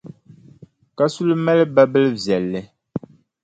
Kasuli mali babilʼ viɛlli.